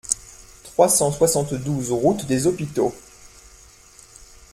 trois cent soixante-douze route des Hôpitaux